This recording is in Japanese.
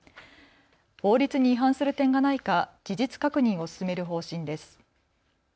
法律に違反する点がないか事実確認を進める方針です。